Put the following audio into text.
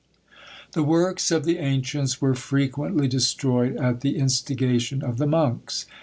The works of the ancients were frequently destroyed at the instigation of the monks.